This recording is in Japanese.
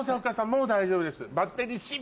もう大丈夫です。